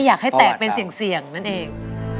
อยากให้แตกเป็นเสี่ยงนั่นเอง